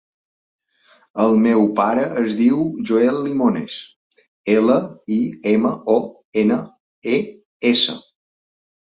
El meu pare es diu Joel Limones: ela, i, ema, o, ena, e, essa.